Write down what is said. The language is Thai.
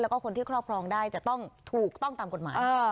แล้วก็คนที่ครอบครองได้จะต้องถูกต้องตามกฎหมาย